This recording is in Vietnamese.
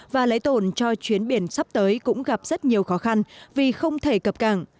và lấy tổn cho chuyến biển sắp tới cũng gặp rất nhiều khó khăn vì không thể cập càng